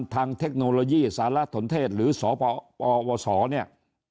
เทคโนโลยีสารสนเทศหรือสปวศเนี่ย